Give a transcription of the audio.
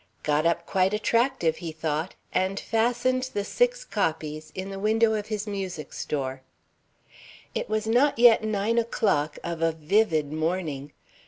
"Got up quite attractive," he thought, and fastened the six copies in the window of his music store. It was not yet nine o'clock of a vivid morning.